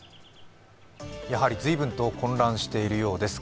やはり随分と混乱しているようです。